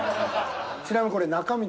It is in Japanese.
ちなみにこれ中身。